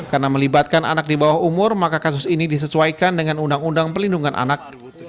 karena melibatkan anak di bawah umur maka kasus ini disesuaikan dengan undang undang pelindungan anak